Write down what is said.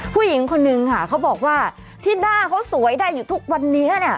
ผู้หญิงคนนึงค่ะเขาบอกว่าที่หน้าเขาสวยได้อยู่ทุกวันนี้เนี่ย